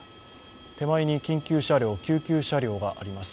手前に緊急車両救急車両があります。